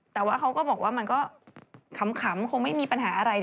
แต่ว่าเขาก็บอกว่ามันก็ขำคงไม่มีปัญหาอะไร